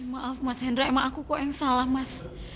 maaf mas hendra emang aku kok yang salah mas